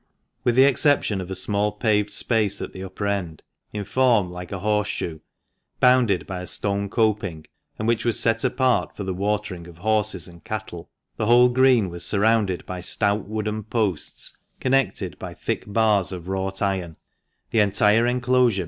With the exception of a small paved space at the upper end, in form like a horse shoe, bounded by a stone coping, and which was set apart for the watering of horses and cat^e, the whole Green was surrounded by stout wooden posts, connected by thick bars of wrought iron, the entire enclosure 472 FINAL APPENDIX.